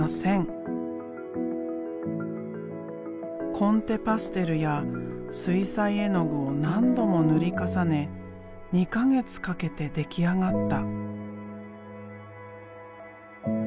コンテパステルや水彩絵の具を何度も塗り重ね２か月かけて出来上がった。